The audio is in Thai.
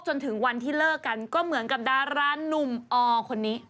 จนถึงวันที่เลิกกันก็เหมือนกับดารานุ่มอคนนี้